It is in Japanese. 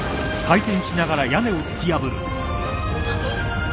あっ！